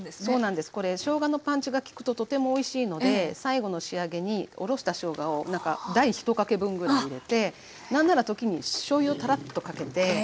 そうなんですこれしょうがのパンチが効くととてもおいしいので最後の仕上げにおろしたしょうがを大１かけ分ぐらい入れて何なら時にしょうゆをたらっとかけて。